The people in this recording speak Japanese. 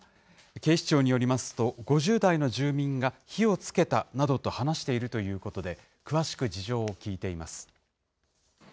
警視庁によりますと、５０代の住民が火をつけたなどと話しているということで、詳しく事情を聴いています。